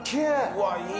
うわいい。